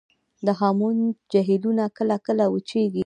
د هامون جهیلونه کله کله وچیږي